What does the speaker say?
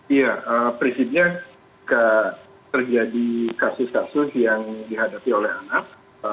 iya prinsipnya terjadi kasus kasus yang dihadapi oleh anak